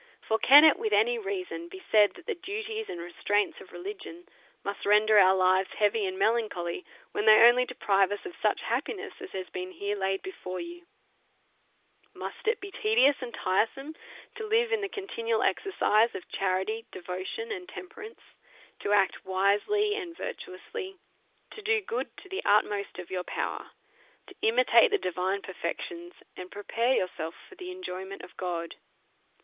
For can it with any reason be said, that the duties and restraints of religion must render our lives heavy and melancholy, when they only de prive us of such happiness as has been here laid before you"' Must it be tedious and tiresome to live in the conti nual exercise of charity, devotion, and temperance, to act wisely and virtuously, to do good to the utmost of your power, to imitate the divine perfections, and pre pare yourself for the enjoyment of God?